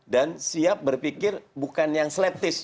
dan siap berpikir bukan yang selektis